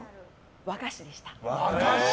和菓子でした。